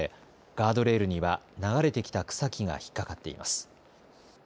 ガードレールには流れてきた草木が引っ掛かっています。